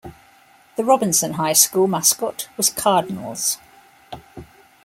The Robinson High School mascot was Cardinals.